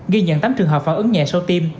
ghi nhận tám trường hợp phản ứng nhẹ sau tim